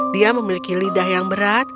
dia memiliki lidah yang berat